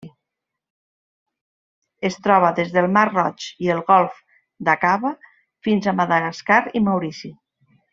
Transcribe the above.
Es troba des del Mar Roig i el Golf d'Aqaba fins a Madagascar i Maurici.